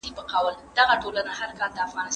د دې علومو ترمنځ پوله ټاکل اسانه کار نه دی.